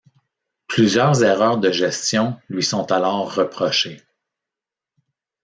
Plusieurs erreurs de gestion lui sont alors reprochées.